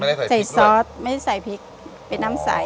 ไม่ได้ใส่พริกด้วยใส่ซอสไม่ได้ใส่พริกเป็นน้ำใสอ๋อ